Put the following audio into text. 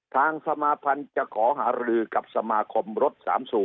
ทางสมาพันธ์จะขอหารือกับสมาคมรถ๓๐